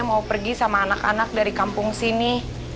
mau pergi sama anak anak dari kampung sini